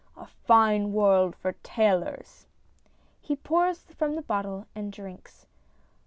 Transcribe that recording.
A fine world for tailors ! [He pours from the bottle and drinks.